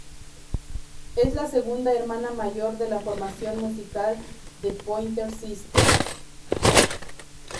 Es la segunda hermana mayor de la formación musical The Pointer Sisters.